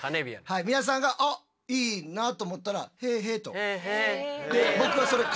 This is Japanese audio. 皆さんが「あっいいな」と思ったら「へぇへぇ」と。